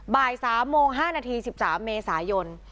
บ่าย๓โมง๕นาที๑๓เมษายน